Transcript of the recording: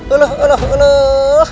alah alah alah